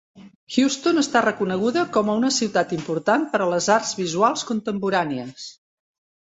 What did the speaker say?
Houston està reconeguda com a una ciutat important per a les arts visuals contemporànies.